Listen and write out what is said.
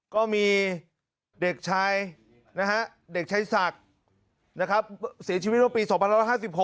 ก็มีเด็กชายศักดิ์เสียชีวิตรายีภาษาปี๒ภาษา๑๕๖